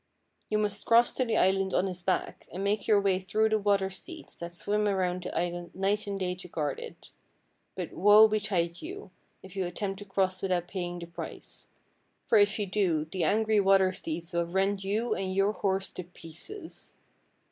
You must cross to the island on his back, and make your way through the water steeds that swim around the island night and day to guard it ; but woe betide you if you attempt to cross without paying the price, for if you do the angry water steeds will rend you and your horse to pieces.